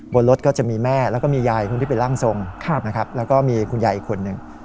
บนรถก็จะมีแม่แล้วก็มียายคนที่เป็นร่างทรงนะครับแล้วก็มีคุณยายอีกคนหนึ่ง